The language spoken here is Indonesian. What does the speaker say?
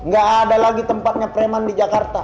gak ada lagi tempatnya preman di jakarta